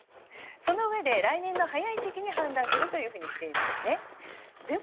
そのうえで来年の早い時期に判断しているというふうにしているんですね。